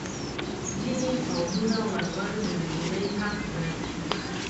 ځینې قومونه ولور د نجلۍ حق ګڼي.